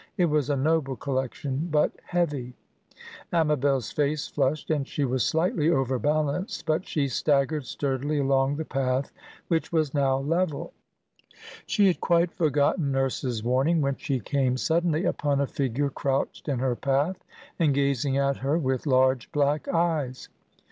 It was a noble collection—but heavy. Amabel's face flushed, and she was slightly overbalanced, but she staggered sturdily along the path, which was now level. She had quite forgotten Nurse's warning, when she came suddenly upon a figure crouched in her path, and gazing at her with large, black eyes.